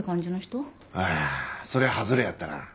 ああそりゃハズレやったな。